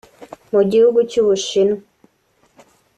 Mu gihugu cy’ubushinwa